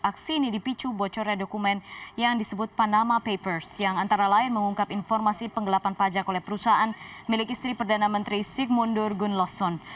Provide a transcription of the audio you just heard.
aksi ini dipicu bocornya dokumen yang disebut panama papers yang antara lain mengungkap informasi penggelapan pajak oleh perusahaan milik istri perdana menteri sigmundur gun losson